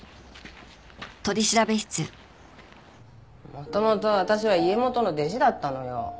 元々私は家元の弟子だったのよ。